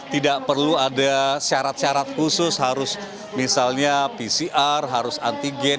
tidak perlu ada syarat syarat khusus harus misalnya pcr harus antigen